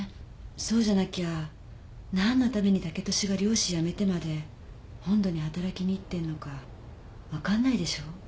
そうじゃなきゃ何のために剛利が漁師辞めてまで本土に働きに行ってんのか分かんないでしょ。